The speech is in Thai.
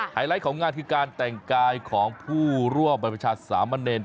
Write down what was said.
ไลท์ของงานคือการแต่งกายของผู้ร่วมบรรพชาสามะเนร